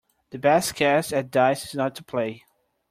The best cast at dice is not to play.